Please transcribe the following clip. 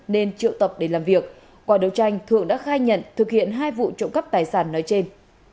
nên triệu tập để làm việc qua đấu tranh thượng đã khai nhận thực hiện hai vụ trộm cắp tài sản nói trên